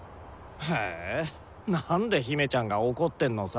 えなんで姫ちゃんが怒ってんのさ。